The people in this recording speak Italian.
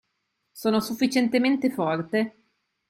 Sono sufficientemente forte